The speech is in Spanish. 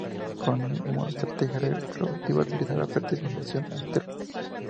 Como estrategia reproductiva, utiliza la fertilización externa.